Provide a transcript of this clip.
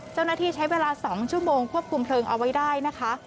เจ้าหน้าที่ใช้เวลา๒ชั่วโมงควบคุมเพลิงเอาไว้ได้นะคะ